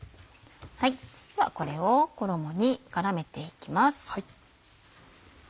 ではこれを衣に絡めていきます。